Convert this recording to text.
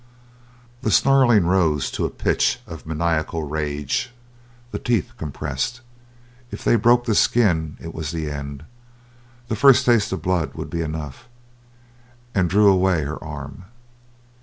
The snarling rose to a pitch of maniacal rage; the teeth compressed if they broke the skin it was the end; the first taste of blood would be enough! and drew away her arm.